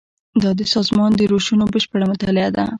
دا د سازمان د روشونو بشپړه مطالعه ده.